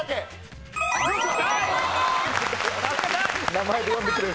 名前で呼んでくれる。